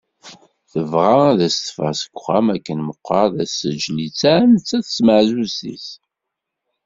Tebɣa ad as-teffeɣ seg uxxam akken meqqar ad as-teǧǧ listeɛ netta d tmeɛzuzt-is.